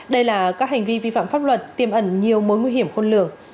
đây là các hành vi vi phạm pháp luật tiêm ẩn nhiều mối nguy hiểm khôn lường